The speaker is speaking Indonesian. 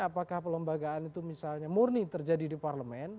apakah pelembagaan itu misalnya murni terjadi di parlemen